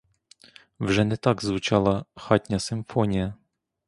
Вже не так звучала хатня симфонія.